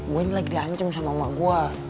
gue ini lagi di ancam sama emak gue